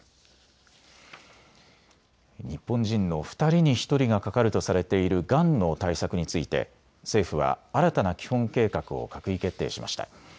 日本人の２人に１人がかかるとされているがんの対策について政府は新たな基本計画を閣議決定しました。